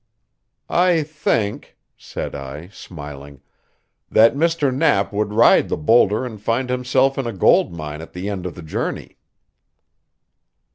"I think," said I, smiling, "that Mr. Knapp would ride the boulder and find himself in a gold mine at the end of the journey."